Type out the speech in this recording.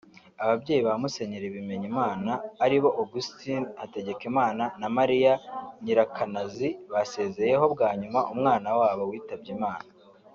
Ababyeyi ba Musenyeri Bimenyimana aribo Augustin Hategekimana na Maria Nyirakanazi basezeyeho bwa nyuma umwana wabo witabye Imana